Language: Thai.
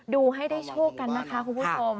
ดูให้ได้โชคกันนะคะคุณผู้ชม